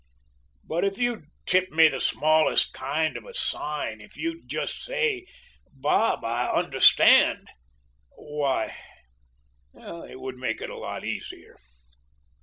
But if you'd tip me the smallest kind of a sign if you'd just say, "Bob I understand," why, it would make it lots easier.'